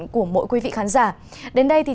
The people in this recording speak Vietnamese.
của mỗi quý vị khán giả đến đây thì